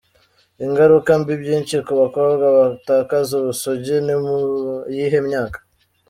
Ingaruka mbi byinshi kubakobwa batakaza ubusugi ni mu yihe myaka?.